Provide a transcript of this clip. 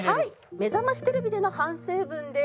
『めざましテレビ』での反省文です。